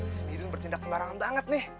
semirin bertindak sembarangan banget nih